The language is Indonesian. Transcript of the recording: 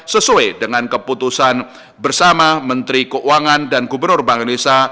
sesuai dengan keputusan bersama menteri keuangan dan gubernur bank indonesia